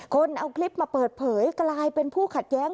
คนเอาคลิปมาเปิดเผยกลายเป็นผู้ขัดแย้ง